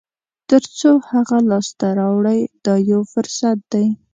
تر څو هغه لاسته راوړئ دا یو فرصت دی.